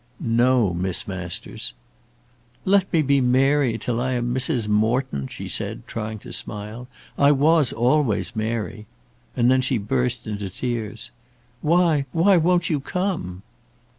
"No, Miss Masters." "Let me be Mary till I am Mrs. Morton," she said, trying to smile. "I was always Mary." And then she burst into tears. "Why, why won't you come?"